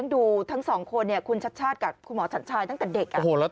คุณหมอฉันชายแล๊ค